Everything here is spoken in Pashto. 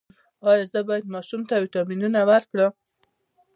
ایا زه باید ماشوم ته ویټامینونه ورکړم؟